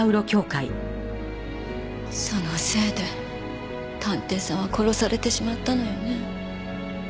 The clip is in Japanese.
そのせいで探偵さんは殺されてしまったのよね。